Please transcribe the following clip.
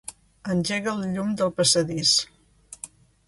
Engega el llum del passadís.